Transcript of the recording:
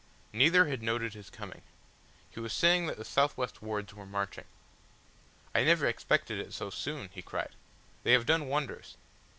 Neither had noted his coming. He was saying that the south west wards were marching. "I never expected it so soon," he cried. "They have done wonders.